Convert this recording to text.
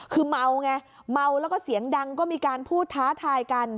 คือเมาไงเมาแล้วก็เสียงดังก็มีการพูดท้าทายกัน